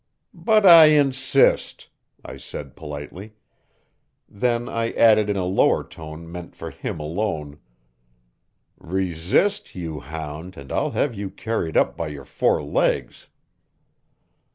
"But I insist," I said politely. Then I added in a lower tone meant for him alone: "Resist, you hound, and I'll have you carried up by your four legs."